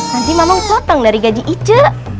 nanti memang potong dari gaji ice